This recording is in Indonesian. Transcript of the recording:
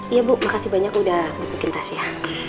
iya bu makasih banyak udah besukin tasya